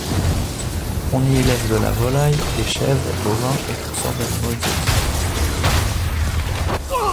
On y élève de la volaille, des chèvres, bovins et toutes sortes d’animaux exotiques.